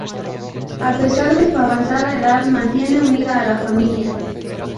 A pesar de su avanzada edad, mantiene unida a la familia.